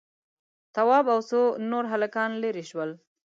تواب او څو نور هلکان ليرې شول.